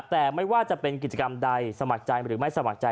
แต่ไม่ว่าจะเป็นกิจกรรมใดสมัครใจหรือไม่สมัครใจ